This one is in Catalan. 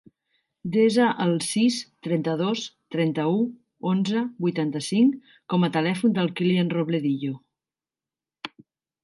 Desa el sis, trenta-dos, trenta-u, onze, vuitanta-cinc com a telèfon del Kilian Robledillo.